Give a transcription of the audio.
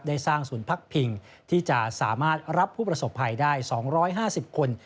ได้สร้างศูนย์พักพิงที่จะสามารถรับผู้ประสบภัยได้๒๕๐คน